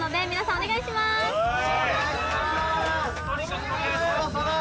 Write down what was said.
お願いします！